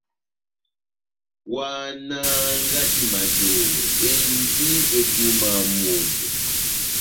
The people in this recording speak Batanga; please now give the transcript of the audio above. Ohahánaha ngadi majohó, endi edúmaha moto !